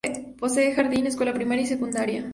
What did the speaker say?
Posee jardín, escuela primaria y secundaria.